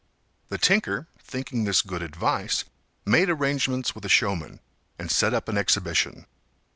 The tinker, thinking this good advice, made arrangements with a showman, and set up an exhibition.